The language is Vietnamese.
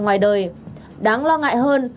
ngoài đời đáng lo ngại hơn